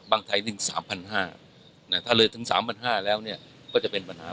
ไทย๑๓๕๐๐ถ้าเลยถึง๓๕๐๐แล้วเนี่ยก็จะเป็นปัญหา